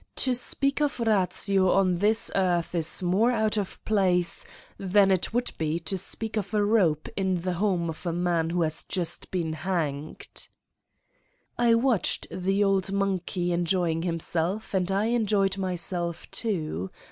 To speak of ratio on this earth is more out of place than it would be to speak of a rope in the home of a man who has just been hanged I" I watched the old monkey enjoying himself and I enjoyed myself too.